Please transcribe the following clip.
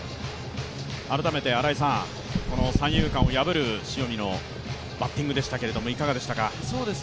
改めて新井さん、三遊間を破る塩見のバッティングいかがでしたか？